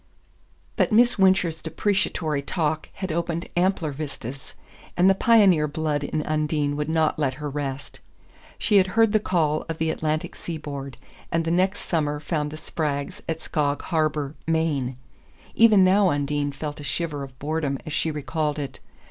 But Miss Wincher's depreciatory talk had opened ampler vistas, and the pioneer blood in Undine would not let her rest. She had heard the call of the Atlantic seaboard, and the next summer found the Spraggs at Skog Harbour, Maine. Even now Undine felt a shiver of boredom as she recalled it.